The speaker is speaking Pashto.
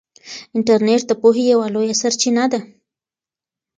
انټرنیټ د پوهې یوه لویه سرچینه ده.